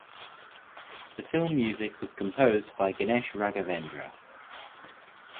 The film music was composed by Ganesh Raghavendra.